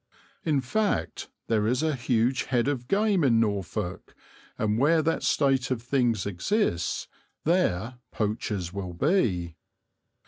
In fact, there is a huge head of game in Norfolk, and where that state of things exists, there poachers will be.